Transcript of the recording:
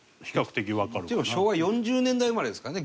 昭和４０年代生まれですからね